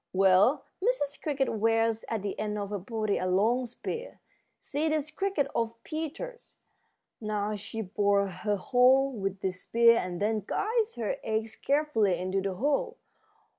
Well, Mrs. Cricket wears at the end of her body a long spear. See this cricket of Peter's. Now she bores her hole with this spear and then guides her eggs carefully into the hole.